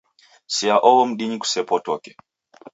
Sea aho mdinyi kusepotoke